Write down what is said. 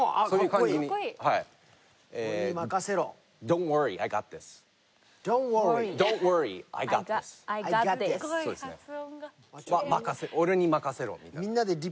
そうですね